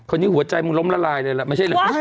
คนนี้หัวใจมึงล้มละลายเลยแหละ